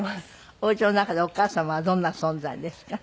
お家の中でお母様はどんな存在ですか？